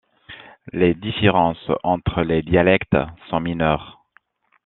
Les différences entre les dialectes sont mineures.